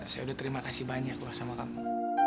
saya udah terima kasih banyak loh sama kamu